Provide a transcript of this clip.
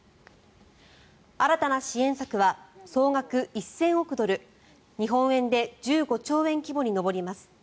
新たな支援策は総額１０００億ドル日本円で１５兆円規模に上ります。